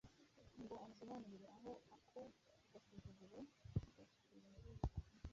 ngo amusobanurire aho ako gasuzuguro gashingiye.